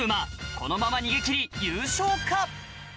このまま逃げ切り優勝か？